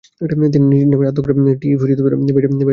তিনি নিজ নামের আদ্যক্ষর টি.ই. ও বেশ পছন্দ করতেন।